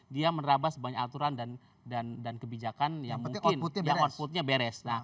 dia menerabas banyak aturan dan kebijakan yang outputnya beres